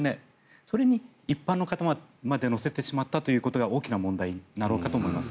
それに一般の方まで乗せてしまったということが大きな問題になろうかと思います。